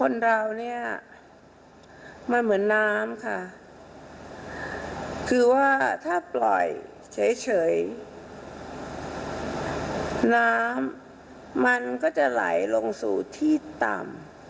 น้ำมันก็จะไหลลงสู่ที่ต่ำ